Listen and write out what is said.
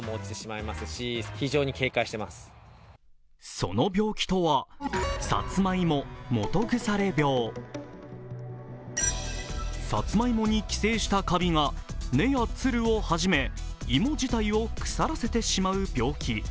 その病気とは、サツマイモ基腐病さつまいもに寄生したカビが、根やつるをはじめ芋自体を腐らせてしまう病気。